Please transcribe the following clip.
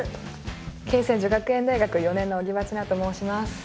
恵泉女学園大学４年の荻場千奈と申します。